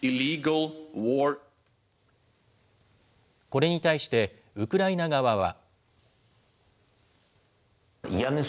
これに対して、ウクライナ側は。